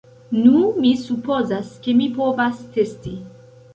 Nu, mi supozas, ke mi povas testi